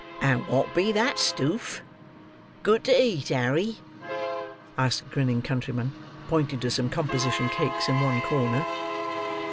"And what be that stoof? Good to eat, Harry?" asked a grinning countryman, pointing to some composition cakes in one corner.